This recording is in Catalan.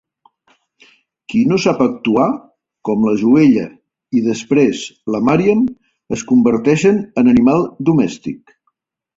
Qui no sap actuar, com la Joella i, després, la Mariam, es converteixen en animal domèstic.